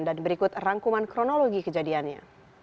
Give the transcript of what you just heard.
berikut rangkuman kronologi kejadiannya